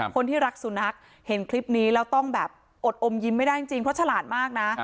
คนที่รักสุนัขเห็นคลิปนี้แล้วต้องแบบอดอมยิ้มไม่ได้จริงเพราะฉลาดมากนะ